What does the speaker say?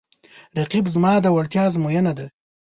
رقیب زما د وړتیا ازموینه ده